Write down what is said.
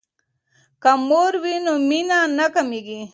که مور وي نو مینه نه کمیږي.